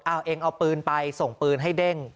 เอาเองเอาปืนไปส่งปืนให้เด้ง